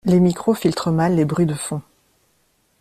Les micros fitrent mal les bruits de fond.